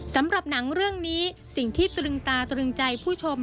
สำหรับหนังเรื่องนี้สิ่งที่ตรึงตาตรึงใจผู้ชม